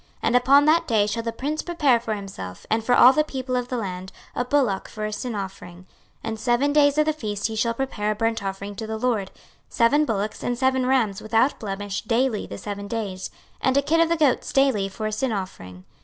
26:045:022 And upon that day shall the prince prepare for himself and for all the people of the land a bullock for a sin offering. 26:045:023 And seven days of the feast he shall prepare a burnt offering to the LORD, seven bullocks and seven rams without blemish daily the seven days; and a kid of the goats daily for a sin offering.